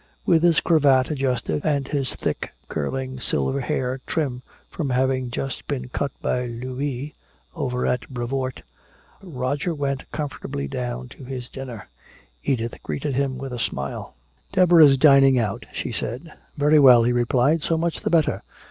With his cravat adjusted and his thick curling silver hair trim from having just been cut by "Louis" over at the Brevoort, Roger went comfortably down to his dinner. Edith greeted him with a smile. "Deborah's dining out," she said. "Very well," he replied, "so much the better.